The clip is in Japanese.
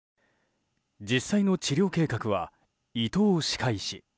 実際の治療計画は伊藤歯科医師